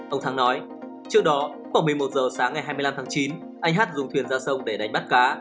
ông thắng nói trước đó khoảng một mươi một giờ sáng ngày hai mươi năm tháng chín anh hát dùng thuyền ra sông để đánh bắt cá